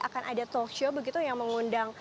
akan ada talkshow begitu yang mengundang